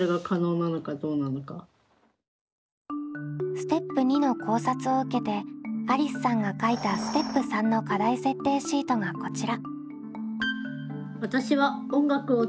ステップ②の考察を受けてありすさんが書いたステップ③の課題設定シートがこちら。